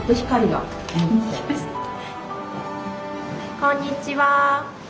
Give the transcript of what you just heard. こんにちは。